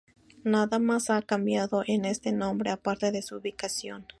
Nada más ha cambiado en este hombre, aparte de su ubicación.